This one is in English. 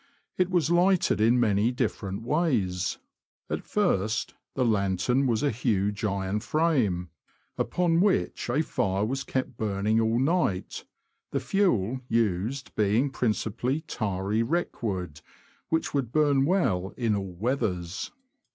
It was lighted in many different ways. At first, the lantern was a huge iron frame, upon which a fire was kept burning all night, the fuel used being principally tarry wreck wood, which would burn well in all weathers.